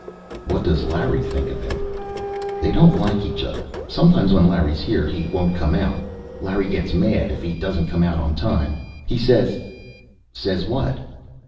"What does Larry think of him?" "They don't like each other. Sometimes when Larry's here he won't come out. Larry gets mad if he doesn't come out on time. He says " "Says what?"